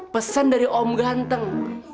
pesan dari om ganteng